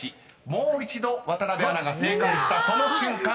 もう一度渡邊アナが正解したその瞬間